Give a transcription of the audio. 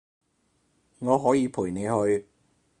我可以陪你去